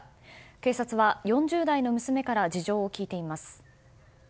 警察は４０代の娘から事情を聴いています。